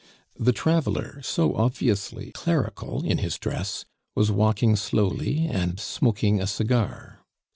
The traveler, so obviously clerical in his dress, was walking slowly and smoking a cigar.